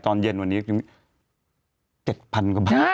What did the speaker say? ตอนเย็นวันนี้๗๐๐กว่าบาท